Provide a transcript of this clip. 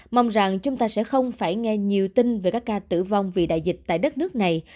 mong rằng chúng ta sẽ không phải nghe nhiều tin về các ca tử vong vì đại dịch tại đất nước này